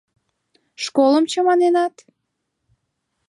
Школым чаманенат?